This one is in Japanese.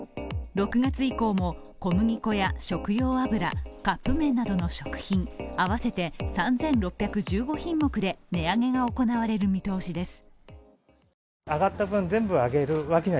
６月以降も小麦粉や食用油カップめんなどの食品合わせて３６１５品目で値上げが行われる見通しです。